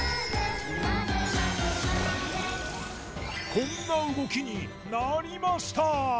こんな動きになりました！